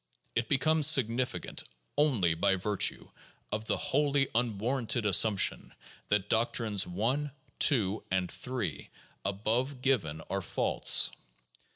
It becomes significant only by virtue of the wholly unwarranted assumption that doctrines 1, 2, and 3, above given, are false.